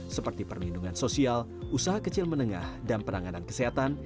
seperti perlindungan sosial usaha kecil menengah dan penanganan kesehatan